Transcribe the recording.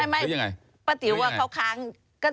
ไม่ป้าติ๋วว่าเขาค้าง